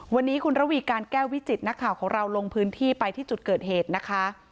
วันนี้คุณระวีการแก้ววิจิตนักข่าวของเราลงพื้นที่ไปที่จุดเกิดเหตุนะคะ